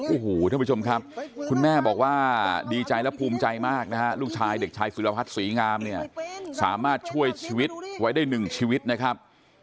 โอ้โหท่านผู้ชมครับคุณแม่บอกว่าดีใจและภูมิใจมากนะฮะลูกชายเด็กชายสุรพัฒน์ศรีงามเนี่ยสามารถช่วยชีวิตไว้ได้หนึ่งชีวิตนะครับ